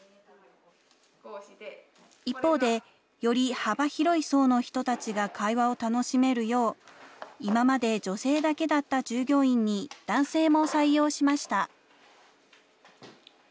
一方で、より幅広い層の人たちが会話を楽しめるよう、今まで女性だけだった従業員に男性も採用しました。